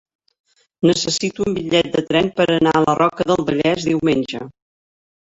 Necessito un bitllet de tren per anar a la Roca del Vallès diumenge.